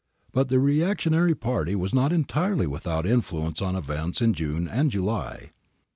But the reactionary party was not entirely without influence on events in June and July.